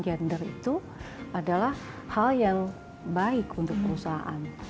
gender itu adalah hal yang baik untuk perusahaan